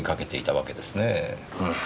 うん。